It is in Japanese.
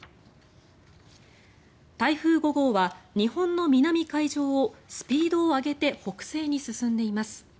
台風５号は日本の南海上をスピードを上げて北西に進んでいます。